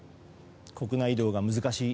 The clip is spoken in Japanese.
国内移動が難しい。